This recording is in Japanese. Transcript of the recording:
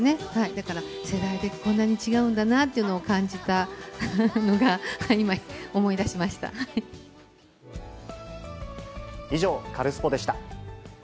だから世代でこんなに違うんだなというのを感じたのが、今、以上、カルスポっ！でした。